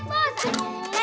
udah lec gigit deh